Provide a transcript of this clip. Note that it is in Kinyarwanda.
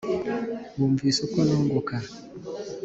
Wumvise uko nunguka,